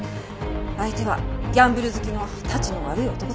相手はギャンブル好きのたちの悪い男だったようですが。